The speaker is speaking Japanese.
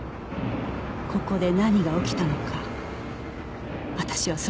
ここで何が起きたのか私はそれを知りたい